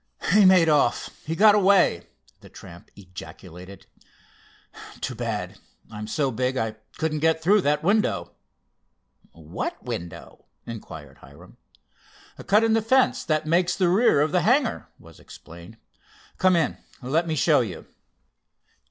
"He made off—he got away!" the tramp ejaculated. "Too bad! I'm so big I couldn't get through that window." "What window?" inquired Hiram. "Cut in the fence that makes the rear of the hangar," was explained. "Come in. Let me show you."